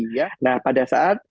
nah pada saat